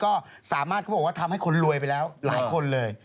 ก็สามารถเขาบอกว่าทำให้คนรวยไปแล้วหลายคนเลย